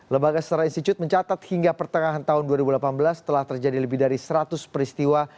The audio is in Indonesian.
lembaga setara institut mencatat hingga pertengahan tahun dua ribu delapan belas telah terjadi lebih dari seratus peristiwa